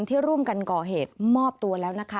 ที่ร่วมกันก่อเหตุมอบตัวแล้วนะคะ